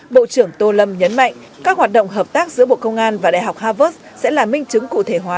bộ trưởng tô lâm nhấn mạnh các hoạt động hợp tác giữa bộ công an và đại học harvard sẽ là minh chứng cụ thể hóa